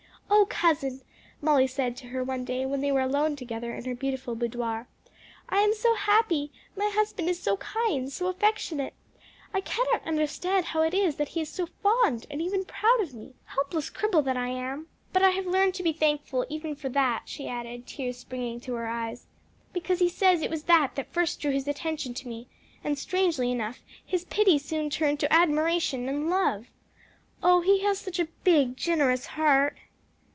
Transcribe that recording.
"Oh, cousin," Molly said to her one day when they were alone together in her beautiful boudoir, "I am so happy! my husband is so kind, so affectionate! I cannot understand how it is that he is so fond and even proud of me helpless cripple that I am. But I have learned to be thankful even for that," she added, tears springing to her eyes, "because he says it was that that first drew his attention to me; and, strangely enough, his pity soon turned to admiration and love. Oh he has such a big, generous heart!"